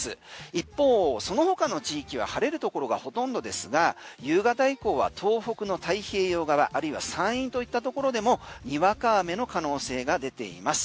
一方、その他の地域は晴れるところがほとんどですが夕方以降は東北の太平洋側あるいは山陰といったところでもにわか雨の可能性がでています。